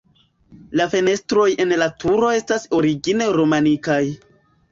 La fenestroj en la turo estas origine romanikaj.